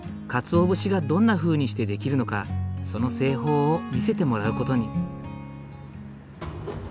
鰹節がどんなふうにして出来るのかその製法を見せてもらう事に。